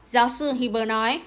giáo sư huber nói